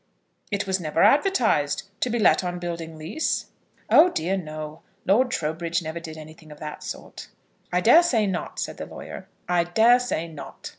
"It was never advertised to be let on building lease?" "Oh dear no! Lord Trowbridge never did anything of that sort." "I dare say not," said the lawyer. "I dare say not."